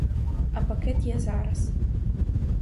А пакет я зараз.